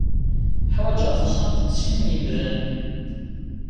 Ḥwajeɣ taxxamt n sin n yemdanen.